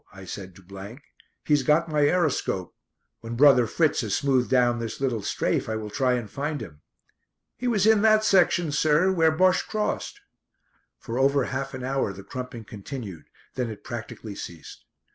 I said to . "He's got my aeroscope. When brother Fritz has smoothed down this little 'strafe' I will try and find him." "He was in that section, sir, where Bosche crossed." For over half an hour the crumping continued, then it practically ceased.